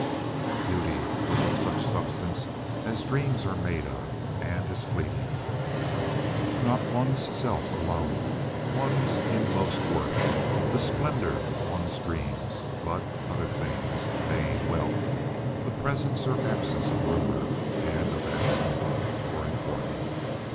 Beauty was of such substance as dreams are made of, and as fleeting. Not one's self alone—one's inmost worth, the splendor of one's dreams—but other things—name, wealth, the presence or absence of rumor, and of accident—were important.